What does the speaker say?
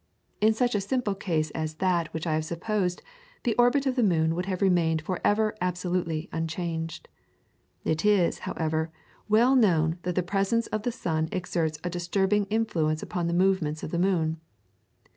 In such a simple case as that which I have supposed the orbit of the moon would have remained for ever absolutely unchanged. It is, however, well known that the presence of the sun exerts a disturbing influence upon the movements of the moon.